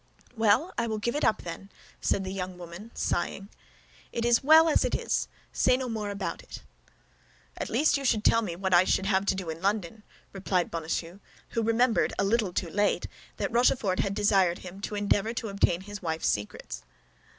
"Well, I will give it up, then," said the young woman, sighing. "It is well as it is; say no more about it." "At least you should tell me what I should have to do in London," replied Bonacieux, who remembered a little too late that Rochefort had desired him to endeavor to obtain his wife's secrets.